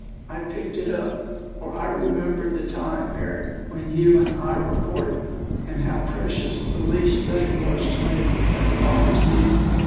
I picked it up; for I remembered the time, Mary, when you and I were courting, and how precious the least thing was to me that belonged to you.